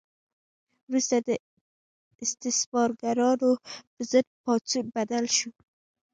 وروسته د استثمارګرانو په ضد پاڅون بدل شو.